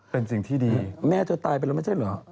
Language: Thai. เป็นสิ่งที่ดีแม่เธอตายไปแล้วไม่ใช่เหรอ